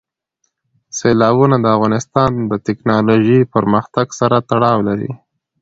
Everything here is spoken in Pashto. سیلابونه د افغانستان د تکنالوژۍ پرمختګ سره تړاو لري.